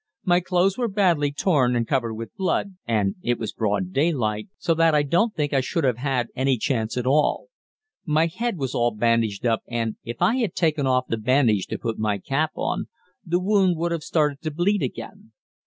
My clothes were badly torn and covered with blood, and it was broad daylight, so that I don't think I should have had any chance at all. My head was all bandaged up, and, if I had taken off the bandage to put my cap on, the wound would have started to bleed again.